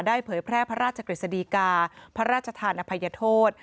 เผยแพร่พระราชกฤษฎีกาพระราชทานอภัยโทษ